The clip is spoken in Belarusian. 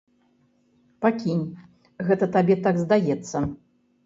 Пакінь, гэта табе так здаецца.